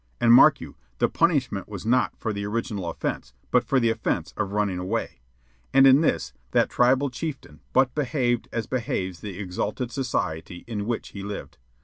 And mark you, the punishment was not for the original offence, but for the offence of running away. And in this, that tribal chieftain but behaved as behaves the exalted society in which he lived.